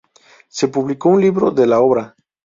Se publicó un libro de la obra.